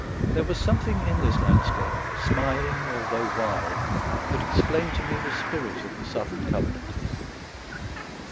There was something in this landscape, smiling although wild, that explained to me the spirit of the Southern Covenanters.